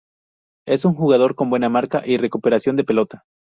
Es un jugador con buena marca y recuperación de pelota.